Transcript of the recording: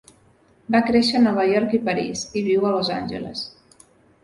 Va créixer a Nova York i París, i viu a Los Angeles.